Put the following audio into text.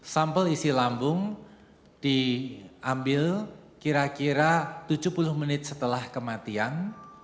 sampel isi lambung diambil kira kira tujuh puluh menit setelah kematian